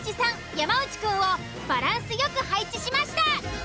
山内くんをバランスよく配置しました！